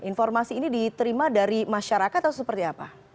informasi ini diterima dari masyarakat atau seperti apa